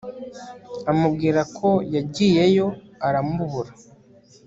amubwira ko yagiyeyo aramubura